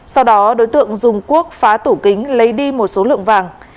sau đó đối tượng dùng quốc phá tủ kính lấy đi một số lượng vàng